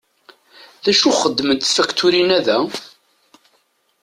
D acu i xeddment tfakturin-a da?